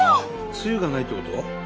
つゆがないってこと？